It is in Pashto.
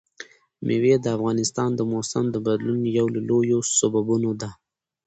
مېوې د افغانستان د موسم د بدلون یو له لویو سببونو ده.